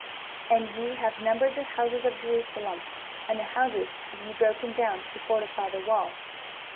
23:022:010 And ye have numbered the houses of Jerusalem, and the houses have ye broken down to fortify the wall.